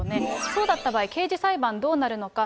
そうだった場合、刑事裁判どうなるのか。